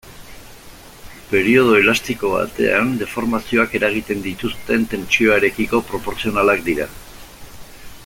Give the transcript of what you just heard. Periodo elastiko batean, deformazioak eragiten dituzten tentsioarekiko proportzionalak dira.